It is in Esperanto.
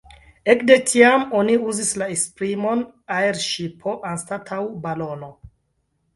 Ekde tiam oni uzis la esprimon aerŝipo anstataŭ balono.